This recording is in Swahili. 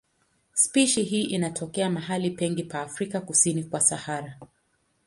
Spishi hii inatokea mahali pengi pa Afrika kusini kwa Sahara.